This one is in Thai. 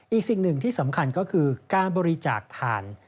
อีกสิ่งหนึ่งที่สำคัญก็คือการบริจาคทาน